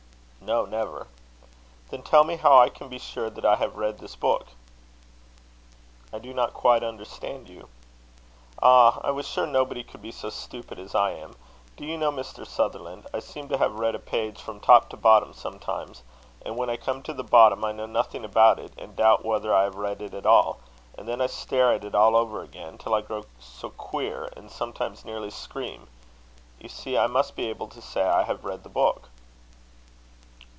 "No, never." "Then tell me how I can be sure that I have read this book." "I do not quite understand you." "Ah! I was sure nobody could be so stupid as I am. Do you know, Mr. Sutherland, I seem to have read a page from top to bottom sometimes, and when I come to the bottom I know nothing about it, and doubt whether I have read it at all; and then I stare at it all over again, till I grow so queer, and sometimes nearly scream. You see I must be able to say I have read the book."